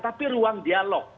tapi ruang dialog